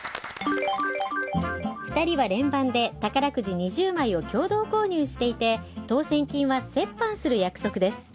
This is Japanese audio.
２人は連番で宝くじ２０枚を共同購入していて当せん金は折半する約束です。